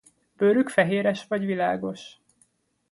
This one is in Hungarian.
Bőrük fehéres vagy világos.